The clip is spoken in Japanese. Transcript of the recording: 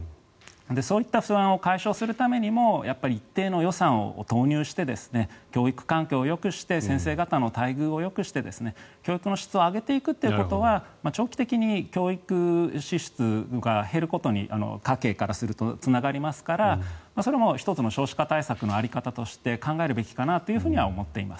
そういった不安を解消するためにも一定の予算を投入して教育環境をよくして先生方の待遇をよくして教育の質を上げていくということは長期的に教育支出が減ることに家計からするとつながりますからそれも１つの少子化対策の在り方として考えるべきかなとは思っています。